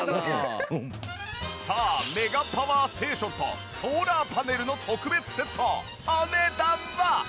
さあメガパワーステーションとソーラーパネルの特別セットお値段は？